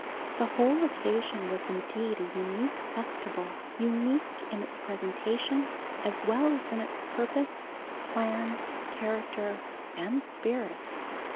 The whole occasion was indeed a unique festival, unique in its presentation, as well as in its purpose, plan, character, and spirit.